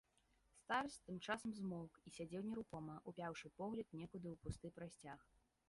Старац тым часам змоўк і сядзеў нерухома, упяўшы погляд некуды ў пусты прасцяг.